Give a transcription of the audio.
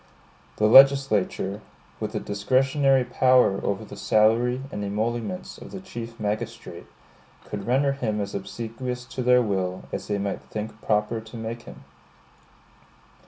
The legislature, with a discretionary power over the salary and emoluments of the Chief Magistrate, could render him as obsequious to their will as they might think proper to make him.